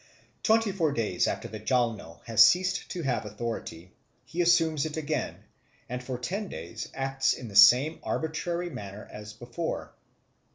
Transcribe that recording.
Twenty four days after the Jalno has ceased to have authority, he assumes it again, and for ten days acts in the same arbitrary manner as before.